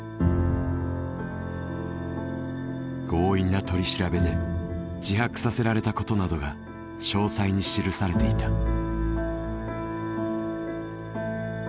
強引な取り調べで自白させられたことなどが詳細に記されていた。